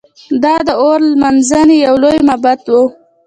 دا د اور لمانځنې یو لوی معبد و